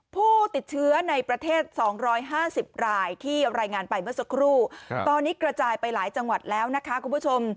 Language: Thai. ผู้ติดเชื้อในประเทศ๒๕๐รายที่รายงานไปเมื่อสักครู่ตอนนี้กระจายไปหลายจังหวัดแล้วนะคะคุณผู้ชม